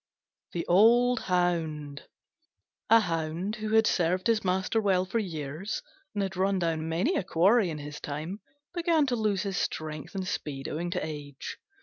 THE OLD HOUND A Hound who had served his master well for years, and had run down many a quarry in his time, began to lose his strength and speed owing to age.